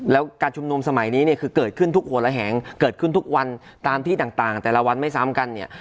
แล้วการชุมนุมสมัยนี้เนี่ยคือเกิดขึ้นทุกหัวระแหงเกิดขึ้นทุกวันตามที่ต่างแต่ละวันไม่ซ้ำกันเนี่ย